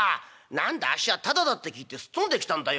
何だあっしはタダだって聞いてすっ飛んできたんだよ。